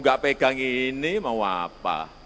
enggak pegang ini mau apa